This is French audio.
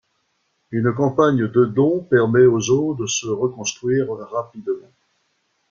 Une campagne de dons permet au zoo de se reconstruire rapidement.